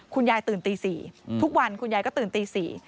คุณยายตื่นตี๔ทุกวันคุณยายก็ตื่นตี๔